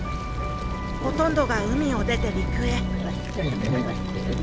ほとんどが海を出て陸へ。